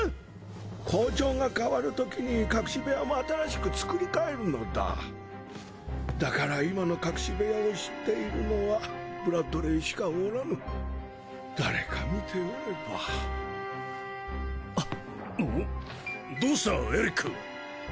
校長が変わる時に隠し部屋も新しく作りかえるのだだから今の隠し部屋を知っているのはブラッドレーしかおらぬ誰か見ておればどうしたエリック？